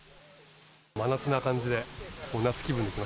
真夏な感じで、夏気分ですね。